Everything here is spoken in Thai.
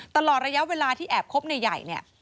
ตลอดระยะเวลาที่แอบคบในใหญ่เนี่ย